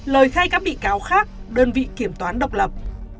lời khai các bị cáo khác đơn vị kiểm toán độc lập